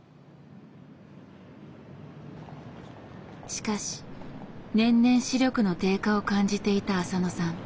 しかし年々視力の低下を感じていた浅野さん。